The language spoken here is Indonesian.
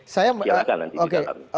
silahkan nanti didalaminya